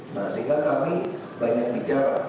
nah sehingga kami banyak bicara